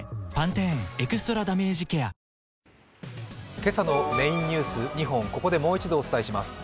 今朝のメインニュース２本、ここでもう一度お伝えします。